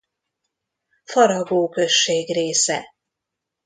Faragó község része.